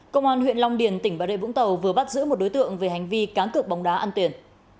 công an huyện long điền tỉnh bà rệ vũng tàu vừa bắt giữ một đối tượng về hành vi cán cực bóng đá ăn tiền